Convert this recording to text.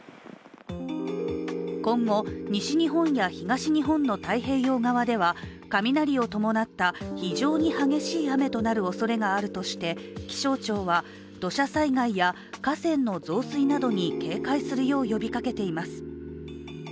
今後、西日本や東日本の太平洋側では、雷を伴った非常に激しい雨となるおそれがあるとして気象庁は土砂災害や河川の増水などに警戒するよう呼びかけています。